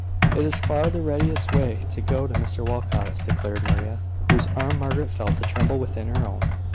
"It is far the readiest way to go to Mr Walcot's," declared Maria, whose arm Margaret felt to tremble within her own.